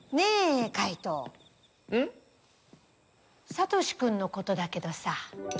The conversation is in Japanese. サトシくんのことだけどさ。